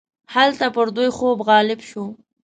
هلته پر دوی خوب غالب شو.